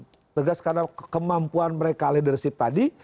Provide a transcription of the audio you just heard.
tegas karena kemampuan mereka leadership tadi